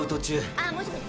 あっもしもし？